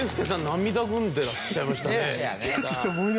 涙ぐんでらっしゃいましたね。